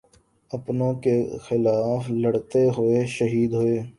اپنوں کیخلاف لڑتے ہوئے شہید ہوئے